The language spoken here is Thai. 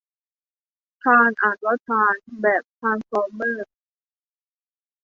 ทราน อ่านว่าทราน แบบทรานสฟอร์มเมอร์